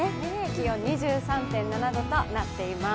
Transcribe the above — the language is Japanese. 気温２３．７度となっています。